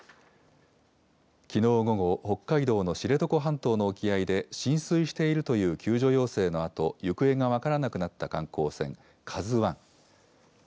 きのう午後、北海道の知床半島の沖合で、浸水しているという救助要請のあと、行方が分からなくなった観光船、ＫＡＺＵわん。